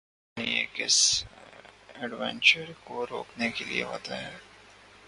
یعنی یہ کسی ایڈونچر کو روکنے کے لئے ہوتے ہیں۔